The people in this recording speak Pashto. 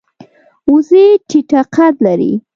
وزې ټیټه قد لري